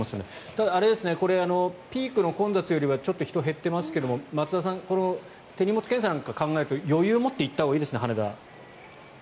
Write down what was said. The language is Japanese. ただ、あれですねピークの混雑よりはちょっと人が減っていますが松田さん、手荷物検査なんかを考えると余裕を持って行ったほうがいいですね、羽田。